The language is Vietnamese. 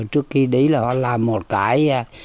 trước khi đi là họ làm một cái